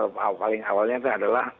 paling awalnya adalah